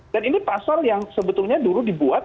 ini pasal yang sebetulnya dulu dibuat